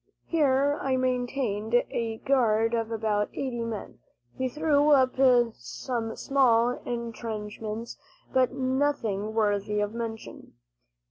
Here I maintained a guard of about eighty men. We threw up some small intrenchments, but nothing worthy of mention.